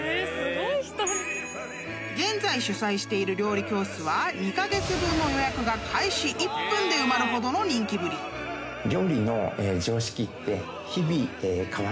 ［現在主催している料理教室は２カ月分の予約が開始１分で埋まるほどの人気ぶり］おい。